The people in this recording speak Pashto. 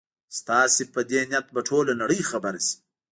ستاسي په دې نیت به ټوله نړۍ خبره شي.